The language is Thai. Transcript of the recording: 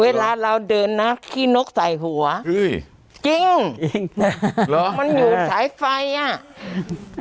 เวลาเราเดินนะขี้นกใส่หัวเฮ้ยจริงจริงเหรอมันอยู่สายไฟอ่ะ